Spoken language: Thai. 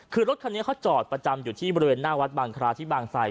คือรถคันนี้เขาจอดประจำอยู่ที่บริเวณหน้าวัดบางคราที่บางไซ